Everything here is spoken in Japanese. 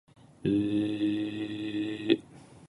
赤巻上青巻紙黄巻紙